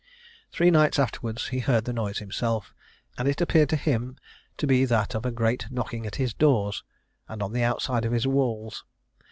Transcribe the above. Three nights afterwards he heard the noise himself; and it appeared to him to be that of "a great knocking at his doors, and on the outside of his walls."